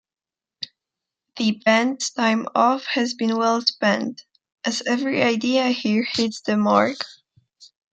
The band's time off has been well-spent, as every idea here hits the mark.